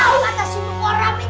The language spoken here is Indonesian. wow ada semua orang